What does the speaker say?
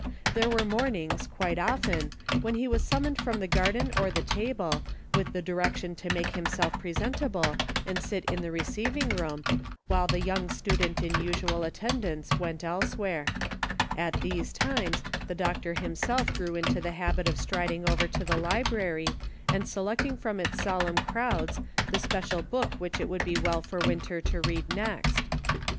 There were mornings, quite often, when he was summoned from the gar den or the table, with the direction to make him self presentable and sit in the receiving room while the young student in usual attendance went else where ; at these times the docter himself grew into the habit of striding over to the library and selecting from its solemn crowds the special book which it would be well for Winter to read next.